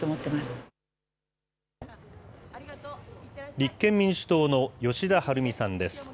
立憲民主党の吉田晴美さんです。